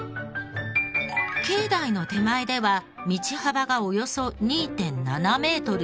境内の手前では道幅がおよそ２．７メートルに。